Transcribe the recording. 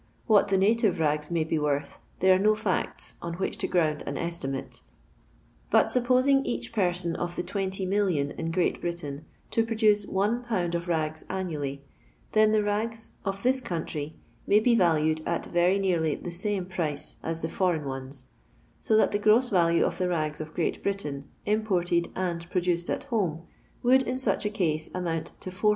What the native rags may be worth, there are no fiicts on which to ground an estimate; but supposing each person of the 20,000,000 in Great Britain to produce one pound of lafi annually, then the rags of this country may be valued at very nearly the same price aa the foreip ones, so that the gross Talue of the ngs of Oresft Britain imported and produced at home, wonM, iB such a case, amount to 400,0002.